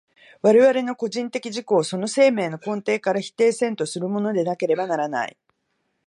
我々の個人的自己をその生命の根底から否定せんとするものでなければならない。